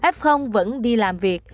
f vẫn đi làm việc